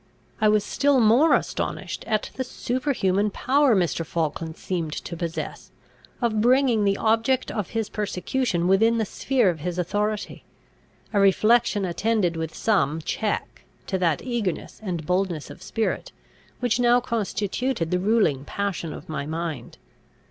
I was still more astonished at the superhuman power Mr. Falkland seemed to possess, of bringing the object of his persecution within the sphere of his authority; a reflection attended with some check to that eagerness and boldness of spirit, which now constituted the ruling passion of my mind.